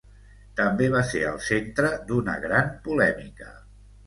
També va ser el centre d'una gran polèmica.